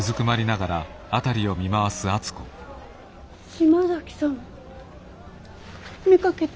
島崎さん見かけた？